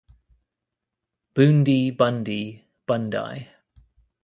Boondi, Bundi, Bundye.